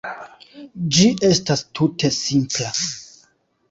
Ĝi estas tute simpla.